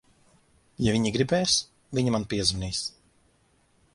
Ja viņa gribēs, viņa man piezvanīs.